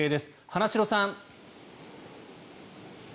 花城さん。